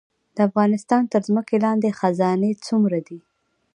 د افغانستان تر ځمکې لاندې خزانې څومره دي؟